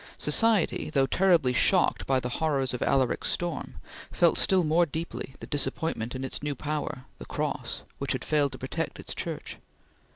Society, though terribly shocked by the horrors of Alaric's storm, felt still more deeply the disappointment in its new power, the Cross, which had failed to protect its Church.